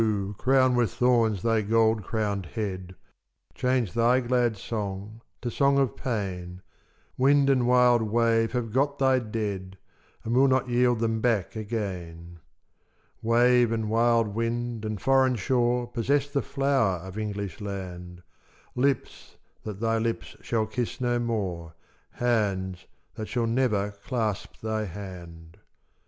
crown with thorns thy gold crowned head, Change thy glad song to song of pain; Wind and wild wave have got thy dead, And will not yield them back again. Wave and wild wind and foreign shore Possess the flower of English land— Lips that thy lips shall kiss no more, Hands that shall never clasp thy hand.